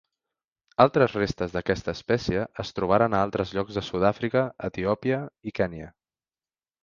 Altres restes d'aquesta espècie es trobaren a altres llocs de Sud-àfrica, Etiòpia i Kenya.